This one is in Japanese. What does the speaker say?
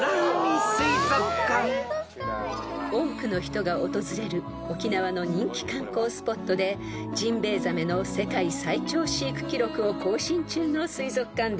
［多くの人が訪れる沖縄の人気観光スポットでジンベエザメの世界最長飼育記録を更新中の水族館です］